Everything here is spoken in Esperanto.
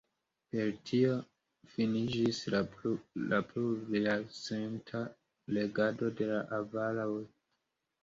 Per tio finiĝis la plurjarcenta regado de la avaroj.